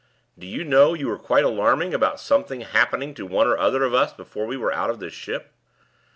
Do you know you were quite alarming about something happening to one or other of us before we were out of this ship?"